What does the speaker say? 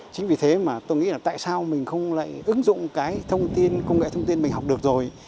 chính vì thế mà tôi nghĩ là tại sao mình không lại ứng dụng công nghệ thông tin mình học được rồi